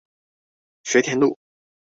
學田路